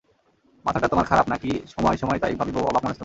মাথাটা তোমার খারাপ নাকি সময় সময় তাই ভাবি বৌ, অবাক মানুষ তুমি।